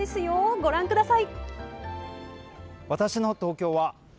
ご覧ください。